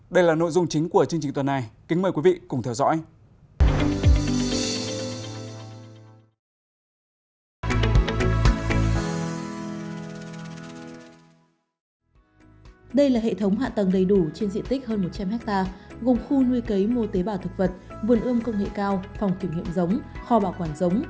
đây là nội dung chính của chương trình tuần này kính mời quý vị cùng theo dõi